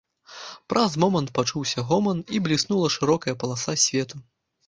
Праз момант пачуўся гоман і бліснула шырокая паласа свету.